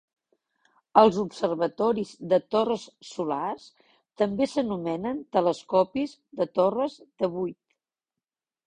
Els observatoris de torres solars també s'anomenen telescopis de torres de buit.